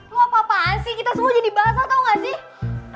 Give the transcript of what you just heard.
lu apa apaan sih kita semua jadi bahasa tau gak sih